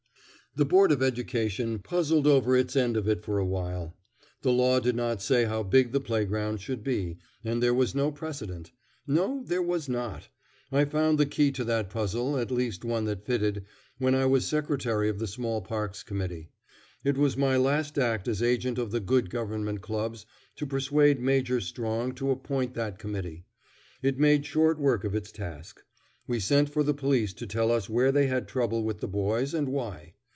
The Board of Education puzzled over its end of it for a while. The law did not say how big the playground should be, and there was no precedent. No, there was not. I found the key to that puzzle, at least one that fitted, when I was Secretary of the Small Parks Committee. It was my last act as agent of the Good Government clubs to persuade Major Strong to appoint that committee. It made short work of its task. We sent for the police to tell us where they had trouble with the boys, and why.